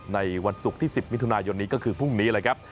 ในวันศุกร์ที่๑๐มิถุนายนนี้ก็คือพรุ่งนี้เลยครับ